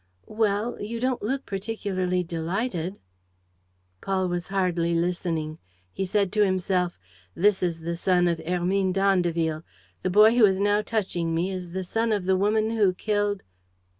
... Well? You don't look particularly delighted ...?" Paul was hardly listening. He said to himself: "This is the son of Hermine d'Andeville. The boy who is now touching me is the son of the woman who killed